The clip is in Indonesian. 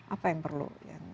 apa yang perlu